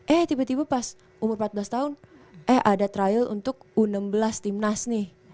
eh tiba tiba pas umur empat belas tahun eh ada trial untuk u enam belas timnas nih